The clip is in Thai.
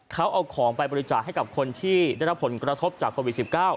เขาเอาของไปบริจาคให้กับคนที่ได้รับผลกระทบจากโควิด๑๙